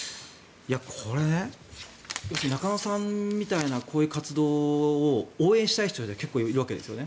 これ中野さんみたいなこういう活動を応援したい人は結構いるわけですよね。